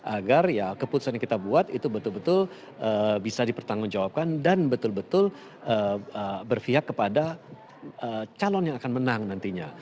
agar ya keputusan yang kita buat itu betul betul bisa dipertanggungjawabkan dan betul betul berpihak kepada calon yang akan menang nantinya